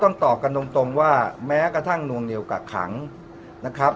อ๋อขออนุญาตเป็นในเรื่องของการสอบสวนปากคำแพทย์ผู้ที่เกี่ยวข้องให้ชัดแจ้งอีกครั้งหนึ่งนะครับ